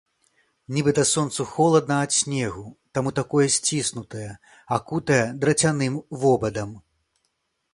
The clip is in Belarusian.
Нібыта сонцу холадна ад снегу, таму такое сціснутае, акутае драцяным вобадам.